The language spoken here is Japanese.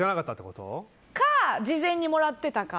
それか、事前にもらってたか。